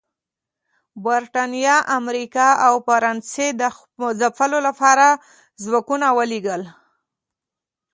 برېټانیا، امریکا او فرانسې د ځپلو لپاره ځواکونه ولېږل